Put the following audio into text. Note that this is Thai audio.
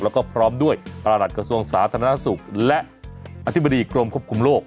แล้วก็พร้อมด้วยประหลัดกระทรวงสาธารณสุขและอธิบดีกรมควบคุมโลก